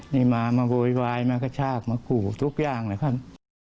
นี่มามาโบยวายมากระชากมากรูทุกอย่างนะครับ